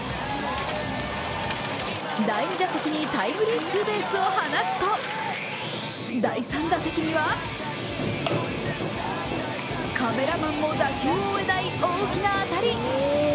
第２打席にタイムリーツーベースを放つと第３打席にはカメラマンも打球を追えない大きな当たり。